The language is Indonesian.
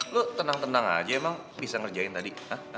lu tenang tenang aja emang bisa ngerjain tadi